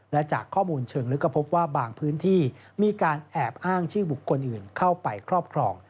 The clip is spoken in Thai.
และจากข้อมูลเชิงลึกก็พบว่าบางพื้นที่มีการแอบอ้างชื่อบุคคลอื่นเข้าไปครอบครอง